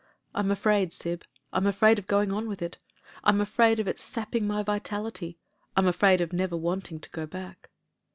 I'm afraid, Syb— I'm afraid of going on with it I'm afraid of its sapping my vitality — I'm afraid of never wanting to go back."